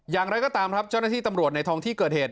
อย่างไรก็ตามครับเจ้าหน้าที่ตำรวจในท้องที่เกิดเหตุ